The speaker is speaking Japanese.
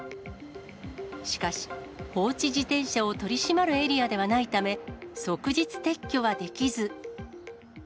しかし、放置自転車を取り締まるエリアではないため、即日撤去はできず。